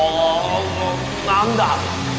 何だ？